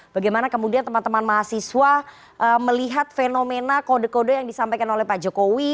bagaimana kemudian teman teman mahasiswa melihat fenomena kode kode yang disampaikan oleh pak jokowi